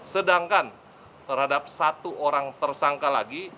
sedangkan terhadap satu orang tersangka lagi